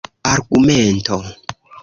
argumento